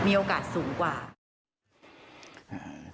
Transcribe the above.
ก็คือเป็นการสร้างภูมิต้านทานหมู่ทั่วโลกด้วยค่ะ